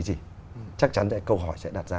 gì chắc chắn là câu hỏi sẽ đặt ra